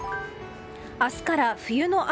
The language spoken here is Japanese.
明日から冬の嵐。